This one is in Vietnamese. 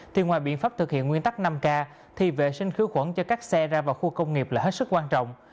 thì ngoài biện pháp thực hiện nguyên tắc năm k thì vệ sinh khử khuẩn cho các xe ra vào khu công nghiệp là hết sức quan trọng